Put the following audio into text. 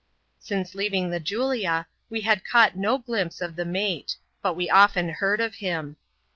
Since leaving the Julia, we had caught no glimpse of the mate ; but we often heard of him.